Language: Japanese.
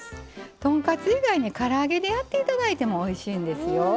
豚カツ以外にから揚げでやって頂いてもおいしいんですよ。